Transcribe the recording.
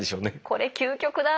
これ究極だ。